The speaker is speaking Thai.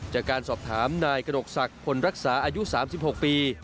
จากการสอบถามนายกระดกศักดิ์คนรักษาอายุ๓๖ปี